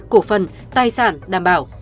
cổ phần tài sản đảm bảo